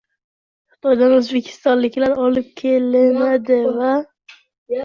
Xitoydan o‘zbekistonliklar olib kelinadi va...